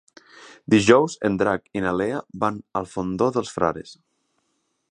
Dijous en Drac i na Lea van al Fondó dels Frares.